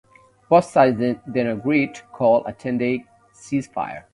Both sides then agreed to call a ten-day ceasefire.